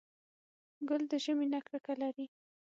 ګل د ژمي نه کرکه لري.